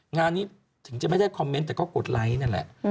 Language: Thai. งานนี้ถึงจะไม่ได้คอมเมนต์แต่ก็กดไลค์นั่นแหละ